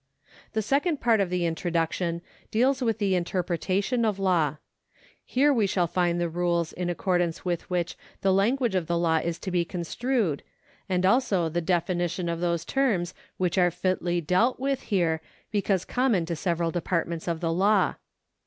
The second part of the Introduction deals with the interpretation of law. Here we shall find the I'ules in accordance with which the language of the law is to be construed, and also the definitions of those terms which are fitly dealt with here, because common to several departments of the law.